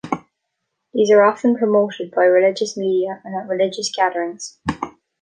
These are often promoted by religious media and at religious gatherings.